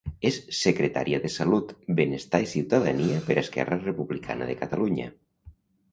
És secretària de salut, benestar i ciutadania per Esquerra Republicana de Catalunya.